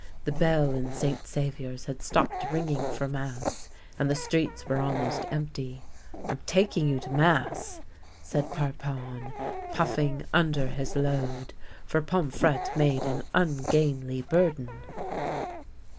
The bell in St. Saviour's had stopped ringing for mass, and the streets were almost empty. " I'm taking you to mass," said Parpon, puf^ng under his load, for Pomfrette made an ungainly bur den.